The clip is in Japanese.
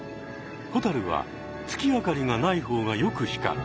ホタルは月明かりがない方がよく光る。